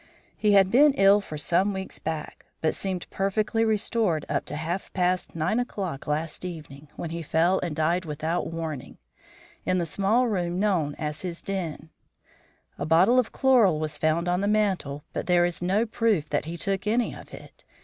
"_'He had been ill for some weeks back, but seemed perfectly restored up to half past nine o'clock last evening, when he fell and died without warning, in the small room known as his den. A bottle of chloral was found on the mantel but there is no proof that he took any of it.